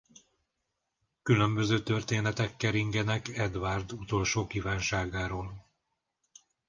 Különböző történetek keringenek Eduárd utolsó kívánságáról.